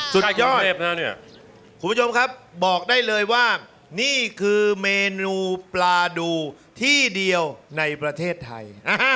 สุดยอดนะเนี่ยคุณผู้ชมครับบอกได้เลยว่านี่คือเมนูปลาดูที่เดียวในประเทศไทย